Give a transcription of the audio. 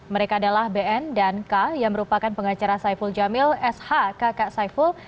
mereka adalah bn dan k yang merupakan pengacara saiful jamil sh kakak saiful